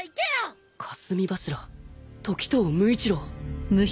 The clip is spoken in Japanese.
霞柱時透無一郎。